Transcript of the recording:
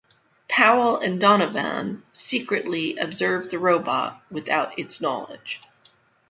Powell and Donovan secretly observe the robot without its knowledge.